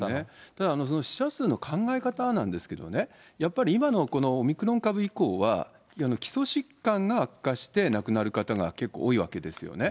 ただ死者数の考え方なんですけどね、やっぱり今のオミクロン株以降は、基礎疾患が悪化して亡くなる方が結構多いわけですよね。